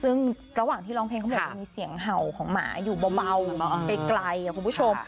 ซึ่งระหว่างที่ร้องเพลงเขาบอกมันมีเสียงเห่าของหมาอยู่เบาไกลคุณผู้ชม